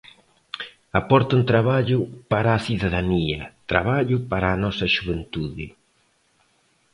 Aporten traballo para a cidadanía, traballo para a nosa xuventude.